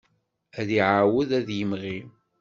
Ad iɛawed ad d-yemɣi.